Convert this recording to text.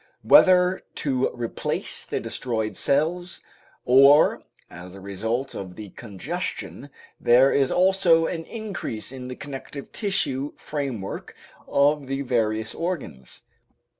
Whether to replace the destroyed cells or as a result of the congestion there is also an increase in the connective tissue framework of the various organs.